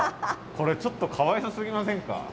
これちょっとかわいそうすぎませんか。